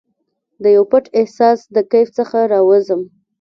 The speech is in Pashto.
دیو پټ احساس د کیف څخه راوزم